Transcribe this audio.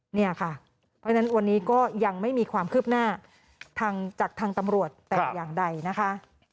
เพราะฉะนั้นวันนี้ก็ยังไม่มีความคืบหน้าจากทางตำรวจแต่อย่างใดนะคะ